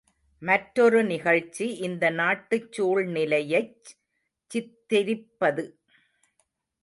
மற்றொரு நிகழ்ச்சி இந்த நாட்டுச் சூழ்நிலையைச் சித்திரிப்பது.